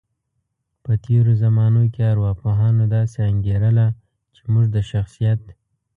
په تیرو زمانو کې ارواپوهانو داسې انګیرله، چی موږ د شخصیت